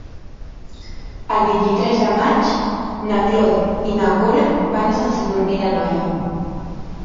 El vint-i-tres de maig na Cloè i na Cora van a Sant Sadurní d'Anoia.